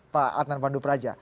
pak adnan pandu praja